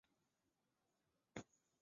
接触金属表面的水通常含有溶解氧。